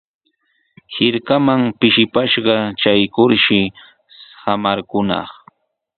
Hirkaman pishipashqa traykurshi samaykunaq.